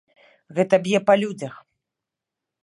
Гэта б'е па людзях.